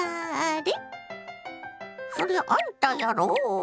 そりゃあんたやろ。